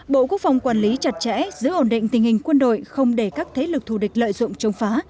bộ quốc phòng quản lý chặt chẽ giữ ổn định tình hình quân đội không để các thế lực thù địch lợi dụng chống phá